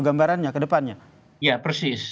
gambarannya ke depannya ya persis